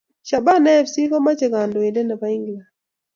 Shabana fc komache kandoindet ne bo England